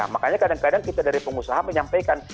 makanya kadang kadang kita dari pengusaha menyampaikan